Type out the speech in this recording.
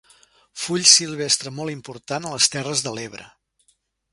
Full silvestre molt important a les Terres de l'Ebre.